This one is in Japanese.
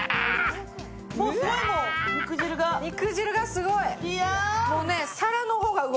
肉汁がすごい。